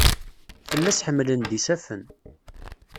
Fell-as ḥemlen-d isafen.